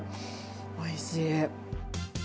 おいしい。